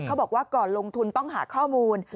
บอกว่าก่อนลงทุนต้องหาข้อมูล